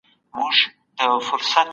روښانه فکر انرژي نه خرابوي.